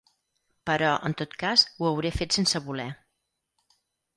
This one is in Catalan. Però, en tot cas, ho hauré fet sense voler.